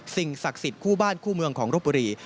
สิ่งศักดิ์สิทธิ์คู่บ้านคู่เมืองของรบบุรี